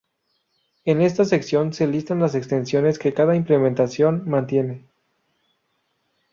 En esta sección se listan las extensiones que cada implementación mantiene.